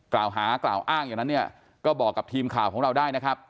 กล่าวหากล่าวอ้างอย่างนั้นเนี่ยก็บอกกับทีมข่าวของเราได้นะครับ